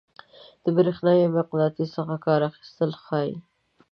د برېښنايي مقناطیس څخه کار اخیستل ښيي.